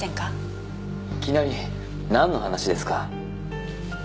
いきなりなんの話ですか？